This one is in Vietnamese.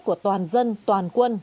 của toàn dân toàn quân